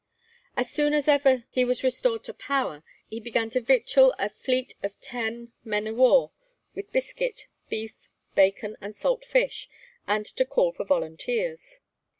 As soon as ever he was restored to power, he began to victual a fleet of ten men of war with biscuit, beef, bacon, and salt fish, and to call for volunteers.